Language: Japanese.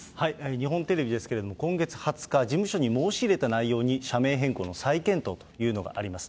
日本テレビですけれども、今月２０日、事務所に申し入れた内容に社名変更の再検討というのがあります。